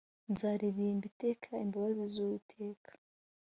nzaririmba iteka imbabazi z uwiteka